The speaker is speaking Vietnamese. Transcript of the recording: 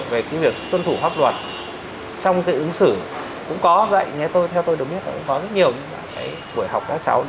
về pháp luật trong cái ứng xử cũng có dạy theo tôi được biết là cũng có rất nhiều bài học của các cháu